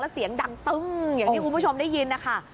เสียงดังตึ้งอย่างที่คุณผู้ชมได้ยินนะคะ